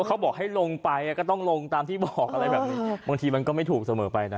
เขาบอกให้ลงไปก็ต้องลงตามที่บอกอะไรแบบนี้บางทีมันก็ไม่ถูกเสมอไปนะ